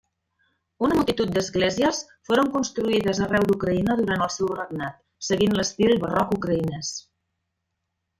Una multitud d'esglésies foren construïdes arreu d'Ucraïna durant el seu regnat seguint l'estil barroc ucraïnès.